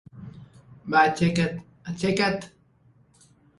Va, aixeca't, aixeca't!